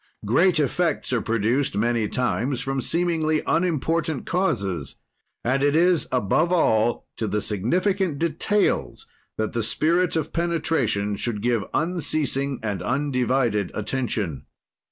"Great effects are produced, many times, from seemingly unimportant causes, and it is, above all, to the significant details that the spirit of penetration should give unceasing and undivided attention.